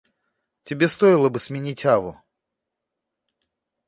Тебе стоило бы сменить аву.